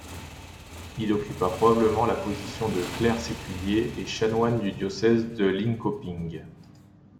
Il occupa probablement la position de clerc séculier et chanoine du diocèse de Linköping.